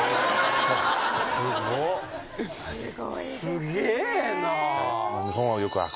すげえな。